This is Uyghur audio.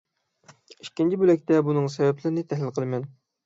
ئىككىنچى بۆلەكتە بۇنىڭ سەۋەبلىرىنى تەھلىل قىلىمەن.